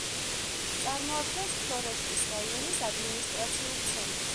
წარმოადგენს ფლორეშტის რაიონის ადმინისტრაციულ ცენტრს.